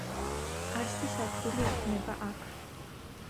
ასის ადგილი იქნება აქ.